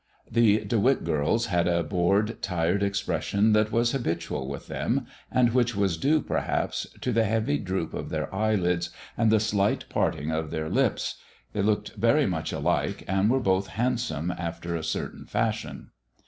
The De Witt girls had a bored, tired expression that was habitual with them, and which was due, perhaps, to the heavy droop of their eyelids and the slight parting of their lips. They looked very much alike, and were both handsome after a certain fashion.